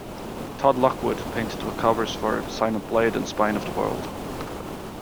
Todd Lockwood painted the covers for "Silent Blade" and "Spine of the World".